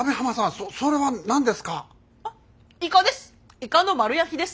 イカです。